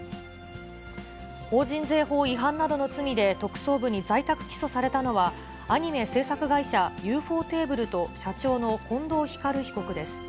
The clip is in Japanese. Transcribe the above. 法人税法違反などの罪で特捜部に在宅起訴されたのは、アニメ制作会社、ユーフォーテーブルと、社長の近藤光被告です。